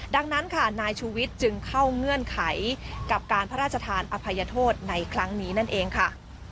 ดังนั้นค่ะนายชูวิทย์จึงเข้าเงื่อนไขกับการพระราชทานอภัยโทษในครั้งนี้นั่นเองค่ะ